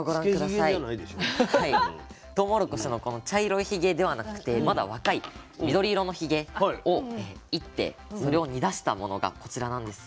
とうもろこしのこの茶色いひげではなくてまだ若い緑色のひげをいってそれを煮だしたものがこちらなんですが。